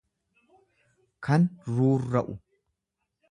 kan ruurra'u.